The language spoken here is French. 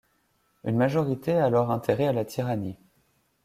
Une majorité a alors intérêt à la tyrannie.